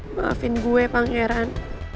maafin gue pangeran